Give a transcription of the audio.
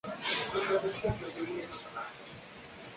Muchos gansos silvestres, patos y pájaros en tránsito pueblan la zona.